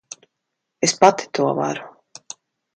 Es pati to varu.